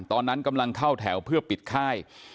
ตอนนั้นกำลังเข้าแถวเพื่อปิดค่าย